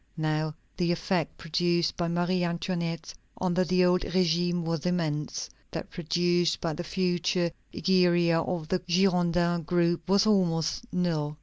Now the effect produced by Marie Antoinette under the old régime was immense; that produced by the future Egeria of the Girondin group was almost null.